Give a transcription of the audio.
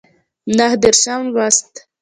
نهه دیرشم لوست